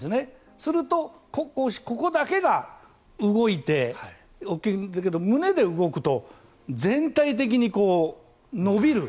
それだとここだけが動くんだけど胸で動くと全体的に伸びる。